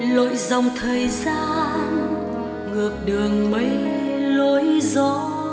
lội dòng thời gian ngược đường mây lối gió